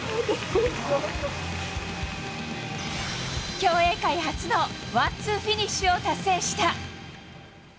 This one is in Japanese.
競泳界初のワンツーフィニッシュを達成した。